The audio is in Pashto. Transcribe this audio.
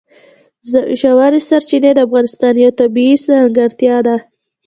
ژورې سرچینې د افغانستان یوه طبیعي ځانګړتیا ده.